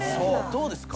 どうですか？